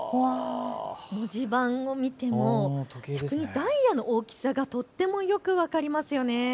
文字盤を見てもダイヤの大きさがよく分かりますよね。